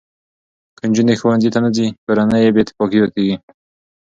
که نجونې ښوونځي ته نه ځي، کورني بې اتفاقي زیاتېږي.